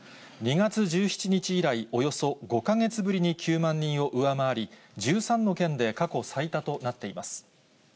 ２月１７日以来、およそ５か月ぶりに９万人を上回り、１３の県で過去最多となっています。